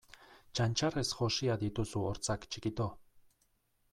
Txantxarrez josia dituzu hortzak txikito!